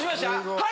はい？